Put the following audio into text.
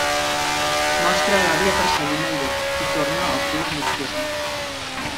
Mostra l'àvia perseguint el Llop, qui torna al club nocturn.